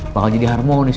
bakal jadi harmonis